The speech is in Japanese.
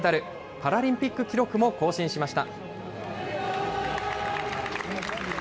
パラリンピック記録も更新しました。